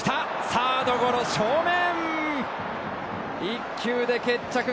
サードゴロ、正面。